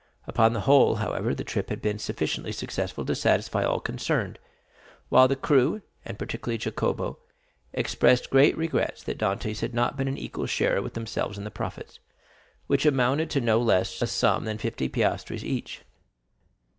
Upon the whole, however, the trip had been sufficiently successful to satisfy all concerned; while the crew, and particularly Jacopo, expressed great regrets that Dantès had not been an equal sharer with themselves in the profits, which amounted to no less a sum than fifty piastres each.